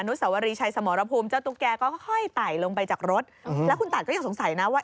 สวรีชัยสมรภูมิเจ้าตุ๊กแกก็ค่อยไต่ลงไปจากรถแล้วคุณตัดก็ยังสงสัยนะว่า